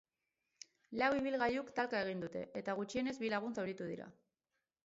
Lau ibilgailuk talka egin dute eta gutxienez bi lagun zauritu dira.